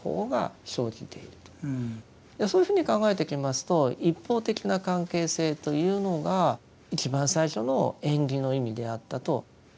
そういうふうに考えてきますと一方的な関係性というのが一番最初の「縁起」の意味であったと考えられます。